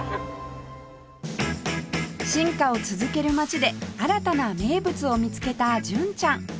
進化を続ける街で新たな名物を見つけた純ちゃん